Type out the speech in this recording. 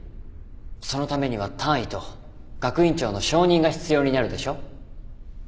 そのためには単位と学院長の承認が必要になるでしょ。